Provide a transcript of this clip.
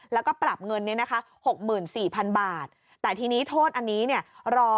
แล้วก็ปรับเงินเนี่ยนะคะ๖๔๐๐๐บาทแต่ทีนี้โทษอันนี้เนี่ยรอ